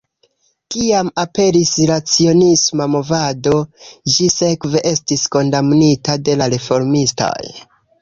Kiam aperis la cionisma movado, ĝi sekve estis kondamnita de la reformistoj.